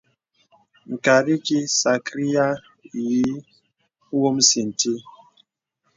Ŋkàt ikī sàkryāy ǐ wùmsì nti.